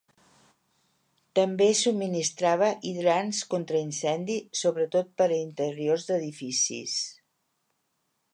També subministrava hidrants contra-incendi, sobretot per a interiors d'edificis.